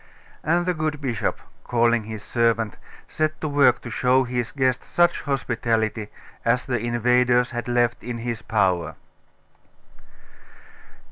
And the good bishop, calling his servant, set to work to show his guest such hospitality as the invaders had left in his power.